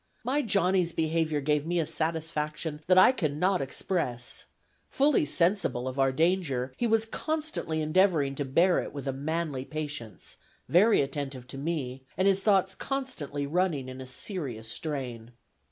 My Johnny's behavior gave me a satisfaction that I cannot express; fully sensible of our danger, he was constantly endeavoring to bear it with a manly patience, very attentive to me, and his thoughts constantly running in a serious strain."